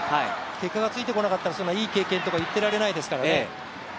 結果がついてこなかったら、そんないい経験とか言ってられないですからね。